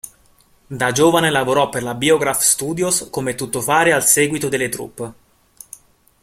Da giovane lavorò per la Biograph Studios come tuttofare al seguito delle troupe.